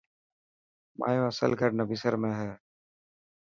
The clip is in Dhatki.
مايو اصل گھر نبصر ۾ هي.